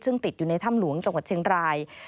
ซึ่งติดอยู่ในถ้ำหลวงจังหวัดเชียงราย